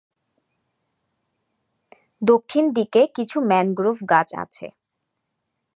দক্ষিণ দিকে কিছু ম্যানগ্রোভ গাছ আছে।